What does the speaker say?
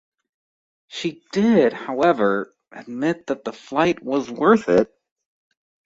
She did, however, admit that the flight was worth it.